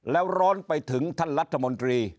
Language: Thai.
แล้วร้อนไปถึงท่านรัฐมนตรี